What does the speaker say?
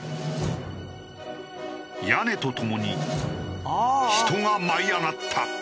屋根とともに人が舞い上がった。